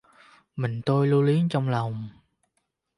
Mình tôi lưu luyến trong lòng.